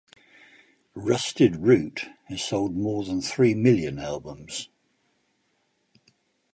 Rusted Root has sold more than three million albums.